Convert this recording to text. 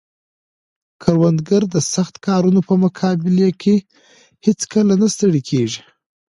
کروندګر د سخت کارونو په مقابل کې هیڅکله نه ستړی کیږي